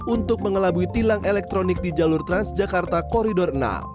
untuk mengelabui tilang elektronik di jalur transjakarta koridor enam